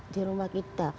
di rumah kita